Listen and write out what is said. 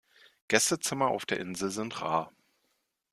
Gästezimmer auf der Insel sind rar.